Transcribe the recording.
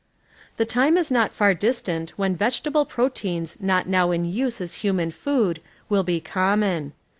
The time is not far distant when vegetable proteins not now in use as human food will be common.